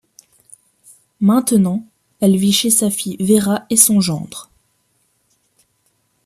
Maintenant elle vit chez sa fille Vera et son gendre.